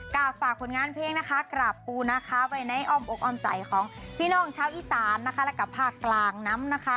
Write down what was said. กลายฟากคนงานเพลงกระปูนะคะในอ้อมออกอ้อมใจของพี่น้องของเช้าอีสานและผ่ากกลางน้ำนะคะ